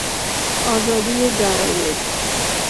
آزادی جراید